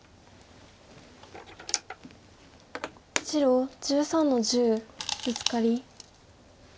白１３の十ブツカリ。